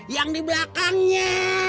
yang di belakangnya